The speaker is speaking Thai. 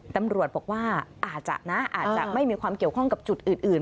ตำรวจบอกว่าอาจจะนะอาจจะไม่มีความเกี่ยวข้องกับจุดอื่น